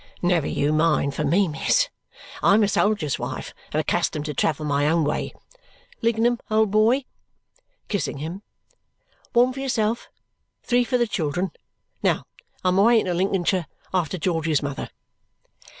"Never you mind for me, miss. I'm a soldier's wife and accustomed to travel my own way. Lignum, old boy," kissing him, "one for yourself, three for the children. Now I'm away into Lincolnshire after George's mother!"